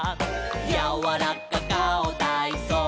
「やわらかかおたいそう」